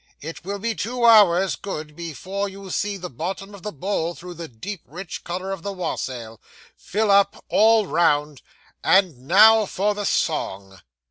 'It will be two hours, good, before you see the bottom of the bowl through the deep rich colour of the wassail; fill up all round, and now for the song.